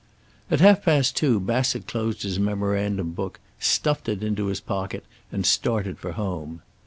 At half past two Bassett closed his memorandum book, stuffed it into his pocket, and started for home.